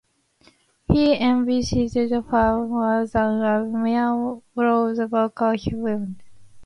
He envisioned far more than a mere row of workers hutments.